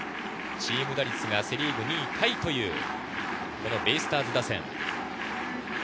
チーム打率がセ・リーグ２位タイというベイスターズ打線。